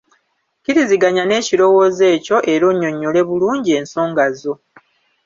Kkiriziganya n’ekirowoozo ekyo era onnyonnyole bulungi ensonga zo.